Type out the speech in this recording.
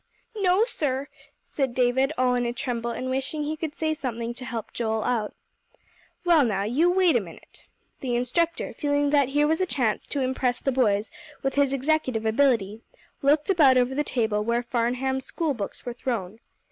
"No, sir," said David, all in a tremble, and wishing he could say something to help Joel out. "Well, now, you wait a minute." The instructor, feeling that here was a chance to impress the boys with his executive ability, looked about over the table where Farnham's schoolbooks were thrown.